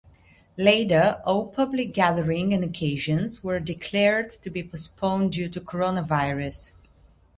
Later All public gathering and Occasions were declared to be postponed due to coronavirus.